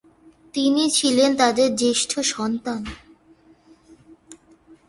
তিনি ছিলেন তাদের জ্যেষ্ঠ সন্তান।